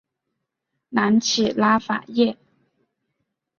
南起拉法叶。